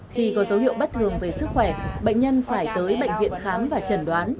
khi có dấu hiệu bất thường về sức khỏe bệnh nhân phải tới bệnh viện khám và chẩn đoán